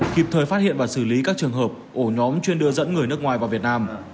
kịp thời phát hiện và xử lý các trường hợp ổ nhóm chuyên đưa dẫn người nước ngoài vào việt nam